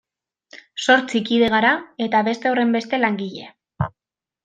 Zortzi kide gara eta beste horrenbeste langile.